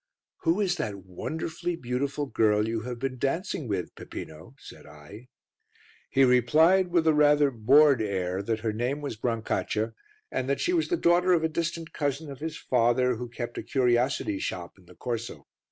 "Who is that wonderfully beautiful girl you have been dancing with, Peppino?" said I. He replied, with a rather bored air, that her name was Brancaccia, and that she was the daughter of a distant cousin of his father who kept a curiosity shop in the corso.